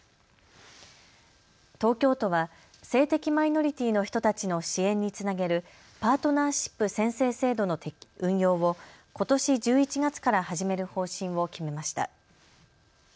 東京都は性的マイノリティーの人たちの支援につなげるパートナーシップ宣誓制度の運用をことし１１月から始める方針を決めました。